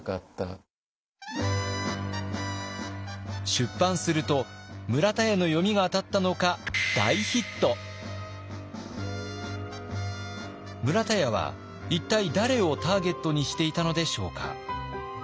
出版すると村田屋の読みが当たったのか村田屋は一体誰をターゲットにしていたのでしょうか？